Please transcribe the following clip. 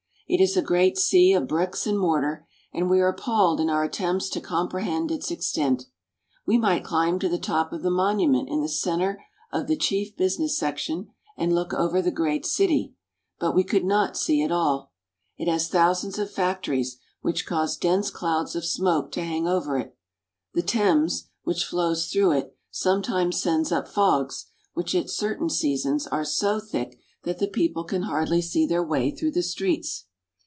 It is a great sea of bricks and mortar, and we are appalled in our attempts to comprehend its extent. We might climb to the top of the monument in the center of the chief business section and look over the great city, but we could not see it all. It has thousands of factories, which cause dense clouds of smoke to hang over it. The Thames, which flows through it, sometimes sends up fogs, which at certain seasons are so thick that the people can hardly see their way through the streets.